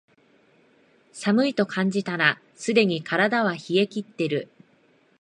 寒いと感じたらすでに体は冷えきってる